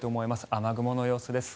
雨雲の様子です。